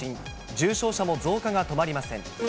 重症者も増加が止まりません。